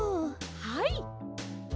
はい！